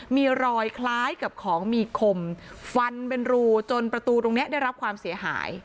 มีรอยคล้ายกับของมีคมฟันเป็นรูจนประตูตรงนี้ได้รับความเสียหาย